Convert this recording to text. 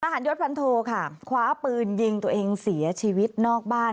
หารยศพันโทค่ะคว้าปืนยิงตัวเองเสียชีวิตนอกบ้าน